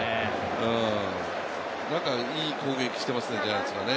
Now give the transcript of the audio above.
いい攻撃していますね、ジャイアンツはね。